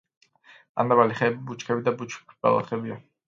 ტანდაბალი ხეები, ბუჩქები და ბუჩქბალახებია.